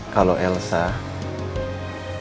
kalau elsa hamil anak roy